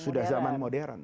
sudah zaman modern